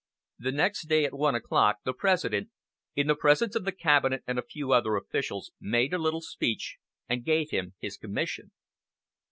The next day at one o'clock the President, in the presence of the cabinet and a few other officials, made a little speech, and gave him his commission.